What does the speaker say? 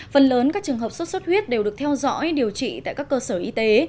phần lớn các trường hợp sốt xuất huyết đều được theo dõi điều trị tại các cơ sở y tế